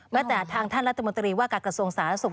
แม้แต่ทางท่านรัฐมนตรีว่ากัตรกระทรวงศาสตร์และศุกร์